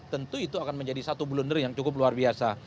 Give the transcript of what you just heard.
tentu itu akan menjadi satu blunder yang cukup luar biasa